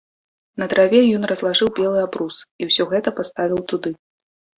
На траве ён разлажыў белы абрус і ўсё гэта паставіў туды.